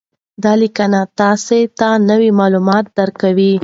دا لینک تاسي ته نوي معلومات درکوي.